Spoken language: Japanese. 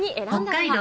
北海道